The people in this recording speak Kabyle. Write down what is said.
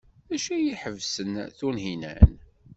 D acu ay iḥebsen Tunhinan?